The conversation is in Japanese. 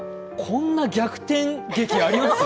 こんな逆転劇あります？